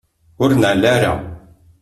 Ur neɛɛel ara.